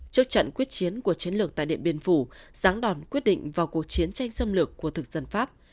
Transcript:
trước trận quyết chiến của chiến lược tại điện biên phủ ráng đòn quyết định vào cuộc chiến tranh xâm lược của thực dân pháp